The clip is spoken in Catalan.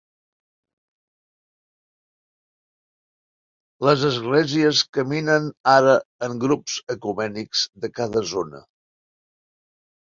Les esglésies caminen ara en grups ecumènics de cada zona.